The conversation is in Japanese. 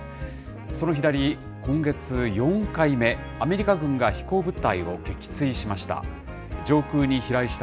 その左、今月、４回目、アメリカ軍が飛行物体を撃墜しました。